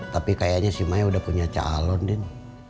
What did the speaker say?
tapi kayaknya si maya udah punya calon den